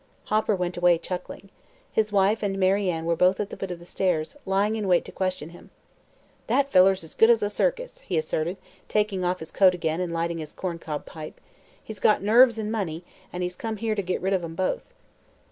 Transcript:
Hopper went away chuckling. His wife and Mary Ann were both at the foot of the stairs, lying in wait to question him. "That feller's as good as a circus," he asserted, taking off his coat again and lighting his corncob pipe. "He's got nerves an' money, an' he's come here to git rid of 'em both."